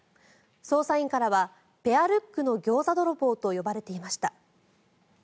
捜査員からはペアルックのギョーザ泥棒と呼ばれていました。